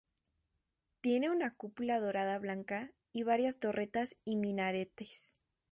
Tiene una cúpula dorada blanca y varias torretas y minaretes.